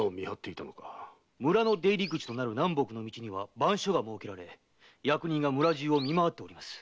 村の出入口となる南北の道には番所が設けられ役人が村中を見回っております。